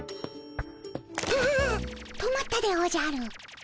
止まったでおじゃる。